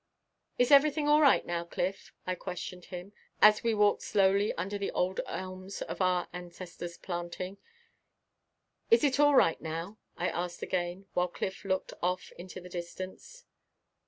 "Is everything all right now, Cliff?" I questioned him, as we walked slowly under the old elms of our ancestors' planting. "It is all right now?" I asked again, while Cliff looked off into the distance.